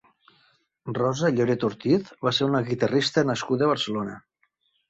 Rosa Lloret Ortiz va ser una guitarrista nascuda a Barcelona.